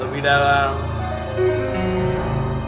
lebih dalam lagi